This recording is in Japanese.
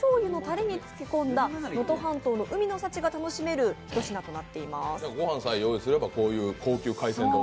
監修の白しょうゆのたれに漬け込んだ能登半島の海の幸が楽しめる一品となっています。